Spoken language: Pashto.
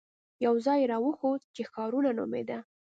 يو ځاى يې راوښود چې ښارنو نومېده.